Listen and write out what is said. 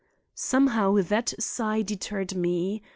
Somehow that sigh deterred me.